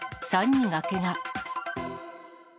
３人がけが。